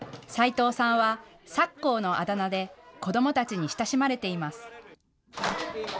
齊藤さんはさっこーのあだ名で子どもたちに親しまれています。